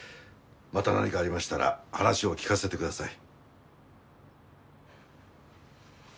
また何かありましたら話を聞かせてください。